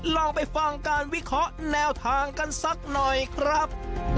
ลองไปฟังการวิเคราะห์แนวทางกันสักหน่อยครับ